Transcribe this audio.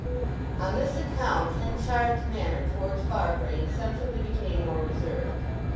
On this account Henchard's manner towards Farfrae insensibly became more reserved.